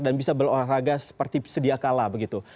dan bisa berolahraga seperti sedia kalah begitu